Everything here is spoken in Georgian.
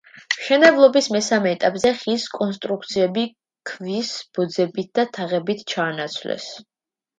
მშენებლობის მესამე ეტაპზე ხის კონსტრუქციები ქვის ბოძებითა და თაღებით ჩაანაცვლეს.